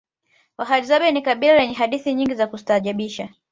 wahadzabe ni kabila lenye hadithi nyingi za kustaajabisha